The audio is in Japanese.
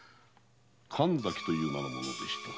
神崎という名の者でしたか。